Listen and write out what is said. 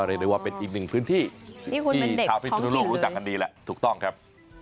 เรียกได้ว่าเป็นอีกหนึ่งพื้นที่ที่ชาวพิศนุโลกรู้จักกันดีแหละถูกต้องครับ